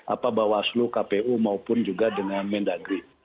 apa bawaslu kpu maupun juga dengan mendagri